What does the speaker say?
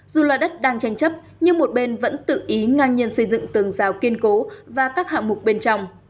dù là đất đang tranh chấp nhưng một bên vẫn tự ý ngang nhiên xây dựng tường rào kiên cố và các hạng mục bên trong